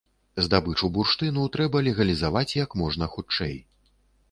Здабычу бурштыну трэба легалізаваць як можна хутчэй.